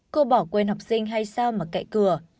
cô bỏ quên học sinh hay sao mà cậy cửa